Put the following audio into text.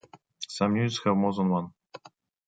Some units have more than one.